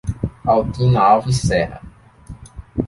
Altina Alves Serra